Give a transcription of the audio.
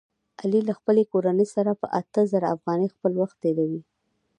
علي له خپلې کورنۍ سره په اته زره افغانۍ خپل وخت تېروي.